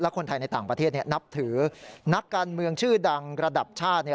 คนไทยในต่างประเทศนับถือนักการเมืองชื่อดังระดับชาติ